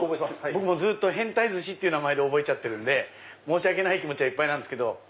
僕ずっと変タイ鮨って名前で覚えちゃってるんで申し訳ない気持ちはいっぱいなんですけど。